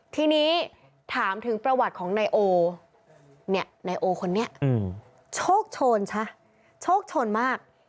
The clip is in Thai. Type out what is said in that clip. ทีนี้ถามถึงประวัติของนายโอเนี่ยนายโอคนนี้โชคโชนซะโชคโชนมาก